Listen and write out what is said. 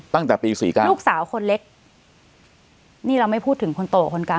ตั้งแต่ปี๔๙ลูกสาวคนเล็กนี่เราไม่พูดถึงคนโตคนกลาง